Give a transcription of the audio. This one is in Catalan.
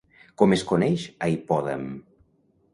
Com es coneix a Hipòdam?